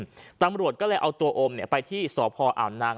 จำรวจก็ไปที่อ่านัง